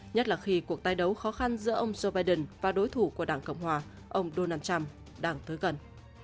nhất là khi cuộc tái đấu khó khăn giữa ông joe biden và đối thủ của đảng cộng hòa ông donald trump đang tới gần